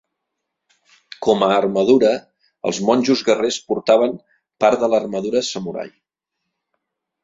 Com a armadura, els monjos guerrers portaven part de l'armadura samurai.